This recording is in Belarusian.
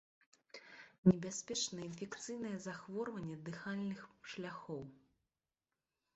Небяспечнае інфекцыйнае захворванне дыхальных шляхоў.